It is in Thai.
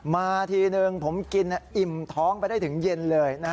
มาทีนึงผมกินอิ่มท้องไปได้ถึงเย็นเลย